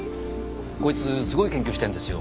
こいつすごい研究してるんですよ。